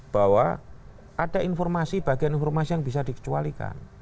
bahwa ada informasi bagian informasi yang bisa dikecualikan